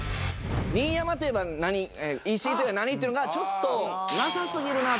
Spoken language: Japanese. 新山といえば何石井といえば何っていうのがちょっとなさ過ぎるなと思って。